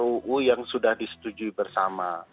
ruu yang sudah disetujui bersama